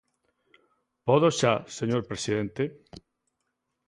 ¿Podo xa, señor presidente?